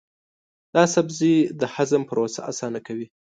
دا سبزی د هضم پروسه اسانه کوي.